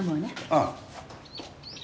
ああ。